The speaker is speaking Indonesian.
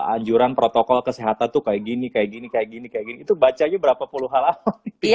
anjuran protokol kesehatan tuh kayak gini kayak gini kayak gini kayak gini tuh bacanya berapa puluh halaman